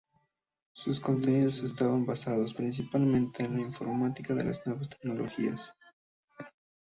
Sus contenidos estaban basados, principalmente, en la informática y las nuevas tecnologías.